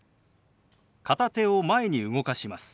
片手を前に動かします。